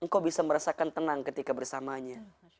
engkau bisa merasakan tenang ketika bersamanya